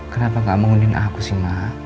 kenapa gak mengundin aku sih ma